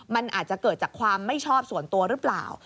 มันอาจจะเกิดจากความไม่ชอบส่วนตัวหรือเปล่า